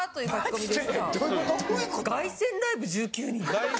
凱旋ライブ１９人。